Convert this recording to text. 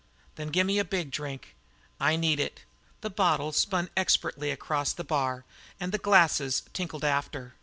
"Then gimme a big drink. I need it." The bottle spun expertly across the bar, and the glasses tinkled after.